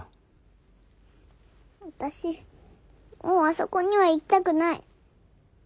私もうあそこには行きたくない。